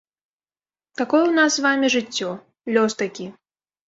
Такое ў нас з вамі жыццё, лёс такі.